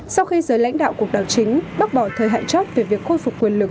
sau khi giới lãnh đạo cuộc đảo chính bác bỏ thời hạn chót về việc khôi phục quyền lực